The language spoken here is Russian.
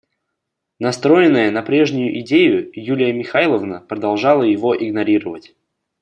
Настроенная на прежнюю идею, Юлия Михайловна продолжала его игнорировать.